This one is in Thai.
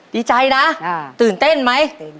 ดีใจนะตื่นเต้นไหม